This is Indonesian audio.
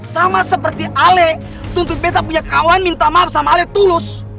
sama seperti ali tuntut beta punya kawan minta maaf sama ali tulus